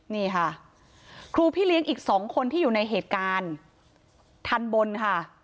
นี่ค่ะครูพี่เลี้ยงอีกสองคนที่อยู่ในเหตุการณ์ทันบนค่ะ